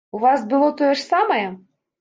У вас было тое ж самае?